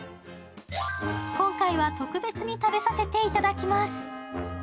今回は特別に食べさせていただきます。